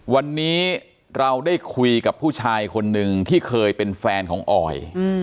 วันนี้เราได้คุยกับผู้ชายคนหนึ่งที่เคยเป็นแฟนของออย